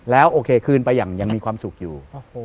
แล้วคืนไปอย่างยังมีความสุขอยู่